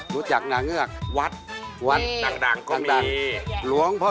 สวดวัดพระโค